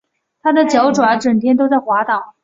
它的脚爪整天都在滑倒